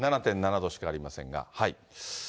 ７．７度しかありませんが。